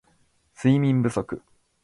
睡眠不足